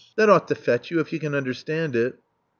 That ought to fetch you, if you can understand it."